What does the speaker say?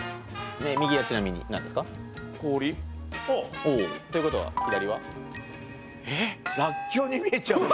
右はちなみに何ですか？ということは左は？